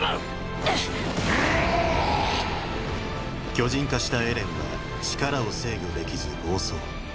巨人化したエレンは力を制御できず暴走。